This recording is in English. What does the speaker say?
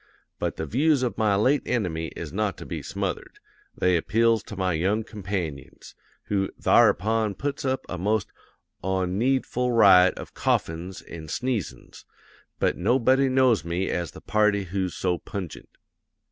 But the views of my late enemy is not to be smothered; they appeals to my young companions; who tharupon puts up a most onneedful riot of coughin's an' sneezin's. But nobody knows me as the party who's so pungent.